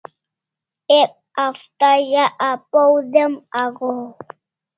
Ek Hafta za apaw dem agohaw